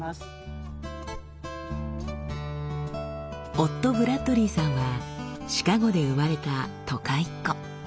夫ブラッドリーさんはシカゴで生まれた都会っ子。